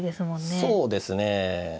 そうですね。